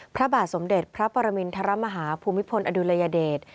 พระบาทสมเด็จพระปรมินทรมาฮาภูมิพลอดุลยเดช